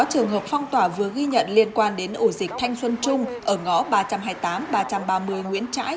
sáu trường hợp phong tỏa vừa ghi nhận liên quan đến ổ dịch thanh xuân trung ở ngõ ba trăm hai mươi tám ba trăm ba mươi nguyễn trãi